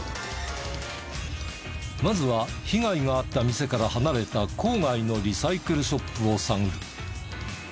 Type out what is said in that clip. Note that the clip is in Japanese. まずは被害があった店から離れた郊外のリサイクルショップを探る。